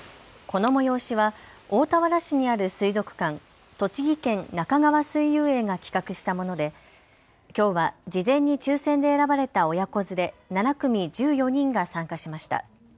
この催しは大田原市にある水族館、栃木県なかがわ水遊園が企画したものできょうは事前に抽せんで選ばれた親子連れ７組１４人が参加しました。